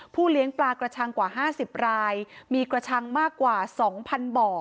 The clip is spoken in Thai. เลี้ยงปลากระชังกว่า๕๐รายมีกระชังมากกว่า๒๐๐บ่อ